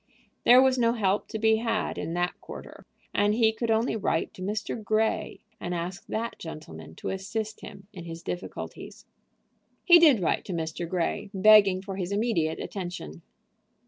There was no help to be had in that quarter, and he could only write to Mr. Grey, and ask that gentleman to assist him in his difficulties. He did write to Mr. Grey, begging for his immediate attention.